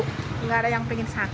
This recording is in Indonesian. tidak ada yang ingin sakit